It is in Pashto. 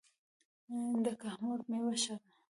د کهمرد میوه ښه ده